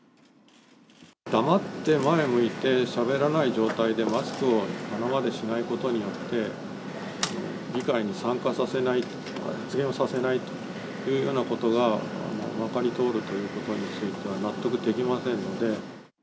黙って前向いて、しゃべらない状態でマスクを鼻までしないことによって、議会に参加させない、発言をさせないというようなことがまかり通るということについては納得できませんので。